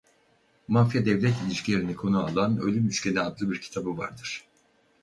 Mafya devlet ilişkilerini konu alan Ölüm Üçgeni adlı bir kitabı vardır.